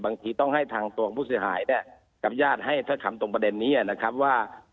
บางทีต้องให้ทางตัวของผู้เสียหายเนี่ยกับญาติให้ถ้อยคำตรงประเด็นนี้นะครับว่า